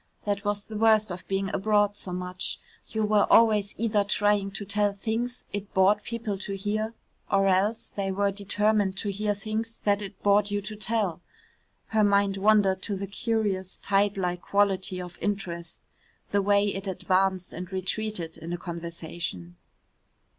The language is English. That was the worst of being abroad so much, you were always either trying to tell things it bored people to hear, or else they were determined to hear things that it bored you to tell. Her mind wandered to the curious tide like quality of interest, the way it advanced and retreated in a conversation.